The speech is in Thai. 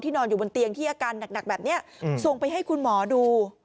นอนอยู่บนเตียงที่อาการหนักแบบนี้ส่งไปให้คุณหมอดู